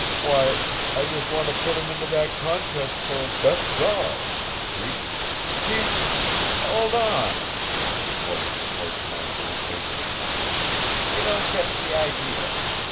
"Why, I just want to put him into that contest for 'best dawg,' you see. He " "Hold on!" interposed the postmaster impatiently. "You don't catch the idea.